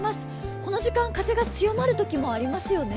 この時間、風が強まるときもありますよね。